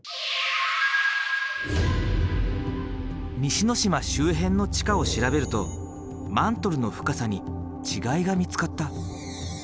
西之島周辺の地下を調べるとマントルの深さに違いが見つかった。